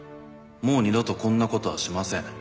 「もう二度とこんなことはしません」